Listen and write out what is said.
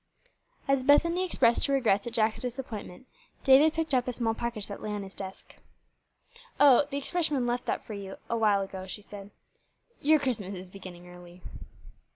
As Bethany expressed her regrets at Jack's disappointment, David picked up a small package that lay on his desk. "O, the expressman left that for you a little while ago," she said. "Your Christmas is beginning early."